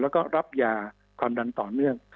แล้วก็รับยาความดันต่อเนื่อง